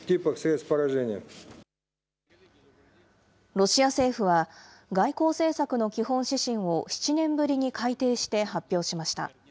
ロシア政府は、外交政策の基本指針を７年ぶりに改定して発表しました。